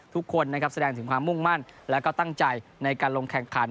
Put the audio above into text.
ทุกคนนะครับแสดงถึงความมุ่งมั่นและก็ตั้งใจในการลงแข่งขัน